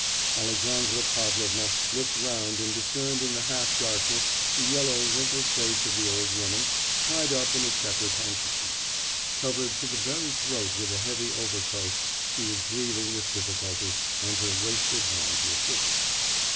Alexandra Pavlovna looked round and discerned in the half darkness the yellow wrinkled face of the old woman tied up in a checked handkerchief. Covered to the very throat with a heavy overcoat she was breathing with difficulty, and her wasted hands were twitching.